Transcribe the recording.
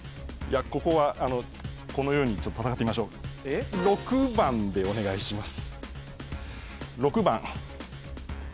ここはこのように戦ってみましょう６番でお願いします